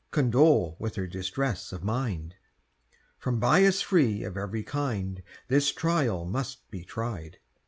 Condole with her distress of mind— From bias free of every kind, This trial must be tried!